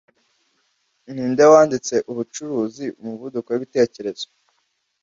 Ninde wanditse 'Ubucuruzi Umuvuduko w'ibitekerezo